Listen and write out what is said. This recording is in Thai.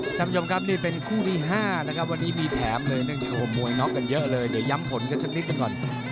ท่านผู้ชมครับนี่เป็นคู่ที่๕นะครับวันนี้มีแถมเลยเนื่องจากมวยน็อกกันเยอะเลยเดี๋ยวย้ำผลกันสักนิดหนึ่งก่อน